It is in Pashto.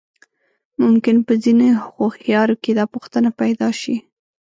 ممکن په ځينې هوښيارو کې دا پوښتنه پيدا شي.